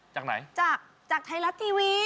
จากไทรัตท์ทีวี